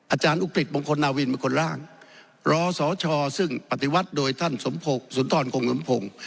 อาจารย์อุกฤษบงคลนาวินเป็นคนร่างรอสชซึ่งปฏิวัติโดยท่านสมพงศ์สุนทรคงสมพงศ์